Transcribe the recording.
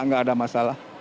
gak ada masalah